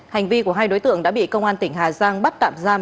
hành vi của hai đối tượng đã bị công an tỉnh hà giang bắt tạm giam